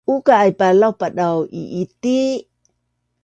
Uka aipa laupadau i’iti